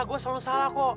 gue selalu salah kok